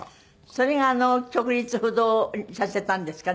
それが直立不動にさせたんですかね？